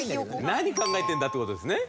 何考えてんだって事ですね？